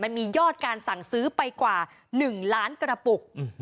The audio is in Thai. มีการสั่งซื้อไปกว่า๑ล้านกระปุก